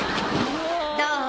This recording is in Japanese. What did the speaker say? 「どう？